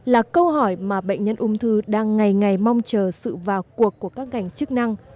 là câu hỏi mà bệnh nhân ung thư đang ngày ngày mong chờ sự vào cuộc của các ngành chức năng